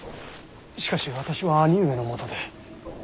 しかし私は兄上のもとで。